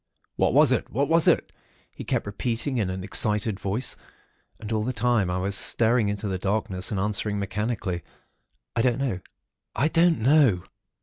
'What was it? What was it?' he kept repeating in an excited voice. And all the time I was staring into the darkness and answering, mechanically, 'I don't know. I don't know.'